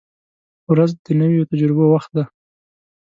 • ورځ د نویو تجربو وخت دی.